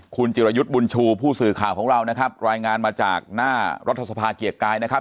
คุณจิรยุทธ์บุญชูผู้สื่อข่าวของเรานะครับรายงานมาจากหน้ารัฐสภาเกียรติกายนะครับ